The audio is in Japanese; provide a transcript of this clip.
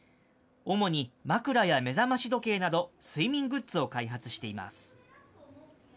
主に枕や目覚まし時計など、睡眠グッズを開発しています。